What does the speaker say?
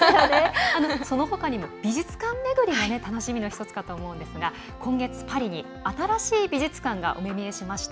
そのほかにも美術館巡りも楽しみの１つかと思うんですが今月パリに新しい美術館がお目見えしました。